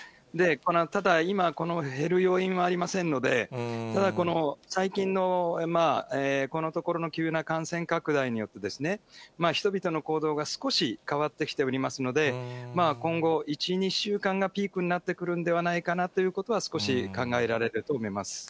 ただ、今、この減る要因はありませんので、ただこの、最近のこのところの急な感染拡大によって、人々の行動が少し変わってきておりますので、今後、１、２週間がピークになってくるんではないかなということは、少し考えられると思います。